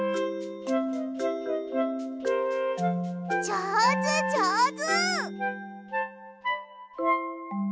じょうずじょうず！